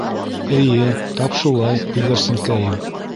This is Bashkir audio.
Эйе, тап шулай, күгәрсенкәйем.